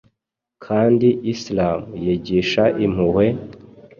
kandi Islam yigisha impuhwe,